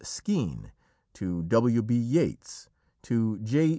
Skene, to W. B. Yeats, to J.